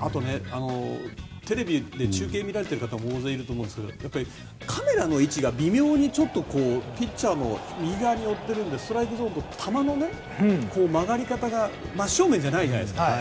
あとテレビで中継を見られる方も大勢いると思いますがカメラの位置が微妙にピッチャーの右側に寄ってるのでストライクゾーンの球の曲がり方が真正面じゃないじゃないですか。